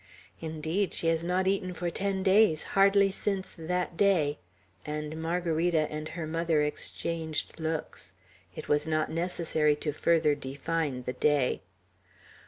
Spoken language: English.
"Indeed, she has not eaten for ten days, hardly since that day;" and Margarita and her mother exchanged looks. It was not necessary to further define the day.